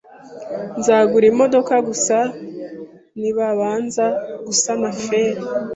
Nzagura imodoka gusa nibabanza gusana feri.